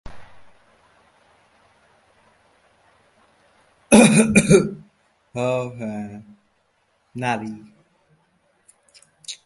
তিনি বিশেষ ভক্তিমতী নারী ছিলেন।